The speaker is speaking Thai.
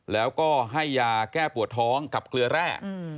แล้วก็ให้ยาแก้ปวดท้องกับเกลือแร่